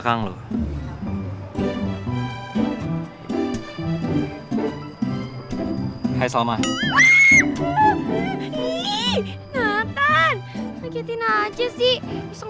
kebina deh kita mas